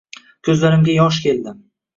Koʻzlarimga yosh keldi…